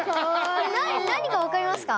これ何かわかりますか？